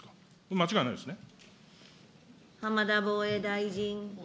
間違いないですね。